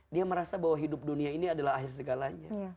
dia merasa bahwa hidup dunia ini adalah akhir segalanya